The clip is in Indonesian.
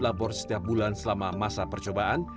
lapor setiap bulan selama masa percobaan